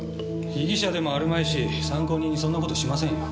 被疑者でもあるまいし参考人にそんな事しませんよ。